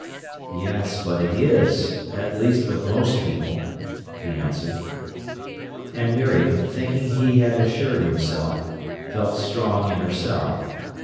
"Yes, but it is—at least with most people," he answered. And Miriam, thinking he had assured himself, felt strong in herself.